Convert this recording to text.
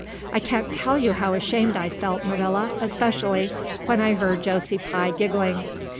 I can't tell you how ashamed I felt, Marilla, especially when I heard Josie Pye giggling.